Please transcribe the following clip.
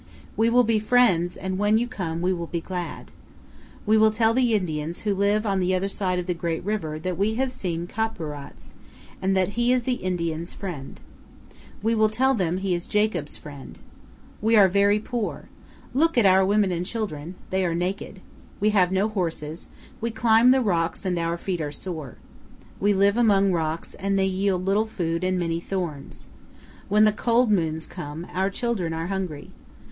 We will be friends and when you come we will be glad. We will tell the Indians who live on the other side of the great river that we have seen Ka'purats, and that he is the Indians' friend. We will tell them he is Jacob's 322 CANYONS OF THE COLORADO. friend. We are very poor. Look at our women and children; they are naked. We have no horses; we climb the rocks and our feet are sore. We live among rocks and they yield little food and many thorns. When the cold moons come, our children are hungry.